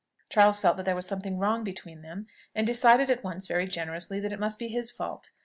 Charles felt that there was something wrong between them, and decided at once very generously that it must be his fault.